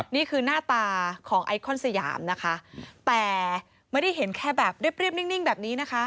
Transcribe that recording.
นี่คือหน้าตาของไอคอนสยามนะคะแต่ไม่ได้เห็นแค่แบบเรียบนิ่งแบบนี้นะคะ